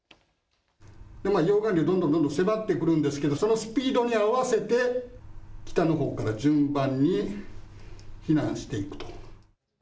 溶岩流どんどん迫ってくるんですけど、そのスピードに合わせて北のほうから順番に避難していくと。